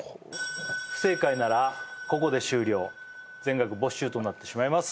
不正解ならここで終了全額没収となってしまいます